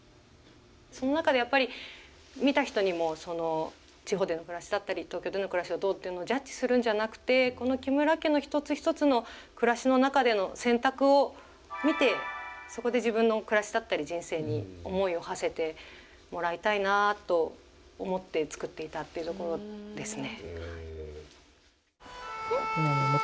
その中でやっぱり見た人にも地方での暮らしだったり東京での暮らしはどうっていうのをジャッジするんじゃなくてこの木村家の一つ一つの暮らしの中での選択を見てそこで自分の暮らしだったり人生に思いをはせてもらいたいなと思って作っていたっていうところですね。